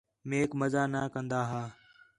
میک مزہ نہ کندا ہا